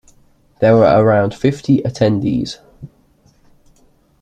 There were around fifty attendees.